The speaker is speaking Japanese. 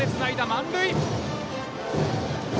満塁！